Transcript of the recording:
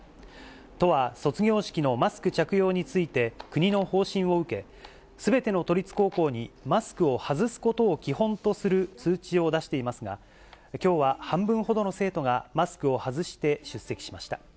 都は卒業式のマスク着用について、国の方針を受け、すべての都立高校にマスクを外すことを基本とする通知を出していますが、きょうは半分ほどの生徒が、マスクを外して出席しました。